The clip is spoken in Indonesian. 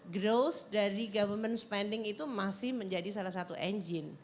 growth dari government spending itu masih menjadi salah satu engine